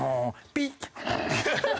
ピッ！